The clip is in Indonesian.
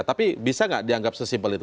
tapi bisa nggak dianggap sesimpel itu